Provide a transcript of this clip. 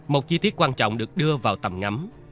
một chi tiết quan trọng được đưa vào tầm ngắm